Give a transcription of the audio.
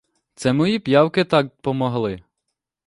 Це мої п'явки так помогли.